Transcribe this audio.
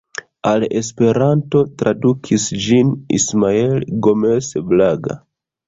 Al Esperanto tradukis ĝin Ismael Gomes Braga.